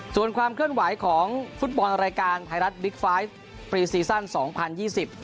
ส่วนความเคลื่อนไหวของฟุตบอลรายการไทยรัฐบิ๊กไฟล์ฟรีซีซั่นสองพันยี่สิบ